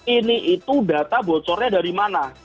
ini itu data bocornya dari mana